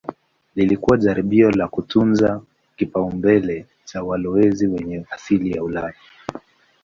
Lilikuwa jaribio la kutunza kipaumbele cha walowezi wenye asili ya Ulaya.